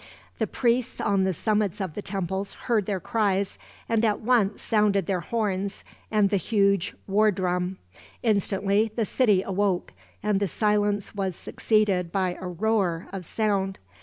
The priests on the summits of the temples heard their cries, and at once sounded their horns and the huge war drum. Instantly the city awoke, and the silence was succeeded by a roar of sound.